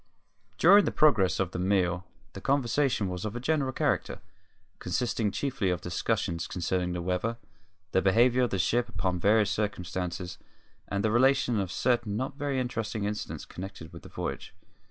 During the progress of the meal the conversation was of a general character, consisting chiefly of discussions concerning the weather, the behaviour of the ship under various circumstances, and the relation of certain not very interesting incidents connected with the voyage.